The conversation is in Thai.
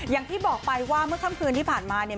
อย่างที่บอกไปว่าเมื่อค่ำคืนที่ผ่านมาเนี่ย